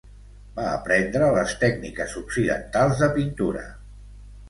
Va aprendre les tècniques occidentals de pintura.